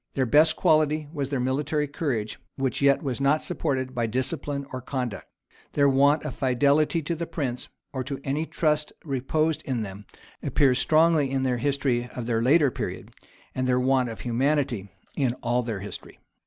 Their best quality was their military courage, which yet was not supported by discipline or conduct. Their want of fidelity to the prince, or to any trust reposed in them, appears strongly in the history of their later period; and their want of humanity in all their history.